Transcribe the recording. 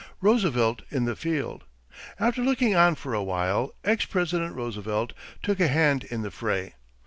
=Roosevelt in the Field.= After looking on for a while, ex President Roosevelt took a hand in the fray.